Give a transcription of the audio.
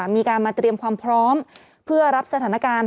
มีการมาเตรียมความพร้อมเพื่อรับสถานการณ์